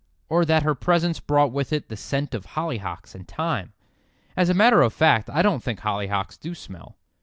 Or that her presence brought with it the scent of hollyhocks and thyme. As a matter of fact I don't think hollyhocks do smell.